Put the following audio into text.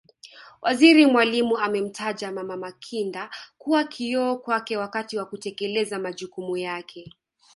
Waziri Mwalimu amemtaja Mama Makinda kuwa kioo kwake wakati wa kutekeleza majukumu yake